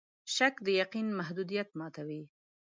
شک د یقین د محدودیت ماتوي.